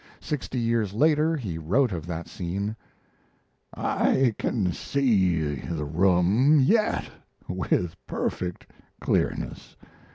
Sixty years later he wrote of that scene: I can see the room yet with perfect clearness.